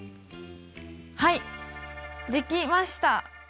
はいできました！